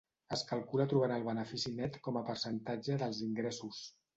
Es calcula trobant el benefici net com a percentatge dels ingressos.